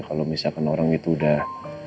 kalau misalkan orang itu udah